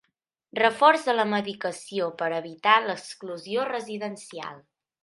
Reforç de la mediació per evitar l'exclusió residencial.